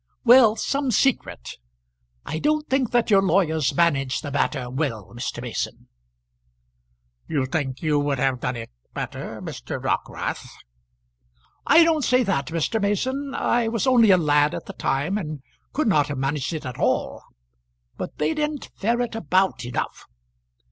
"Well; some secret. I don't think that your lawyers managed the matter well, Mr. Mason." "You think you would have done it better, Mr. Dockwrath?" "I don't say that, Mr. Mason. I was only a lad at the time, and could not have managed it at all. But they didn't ferret about enough.